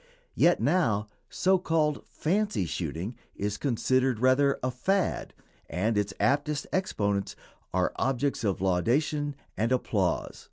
Yet now so called "fancy shooting" is considered rather a "fad," and its aptest exponents are objects of laudation and applause.